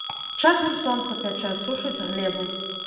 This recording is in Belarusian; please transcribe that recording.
Часам сонца пячэ, сушыць глебу.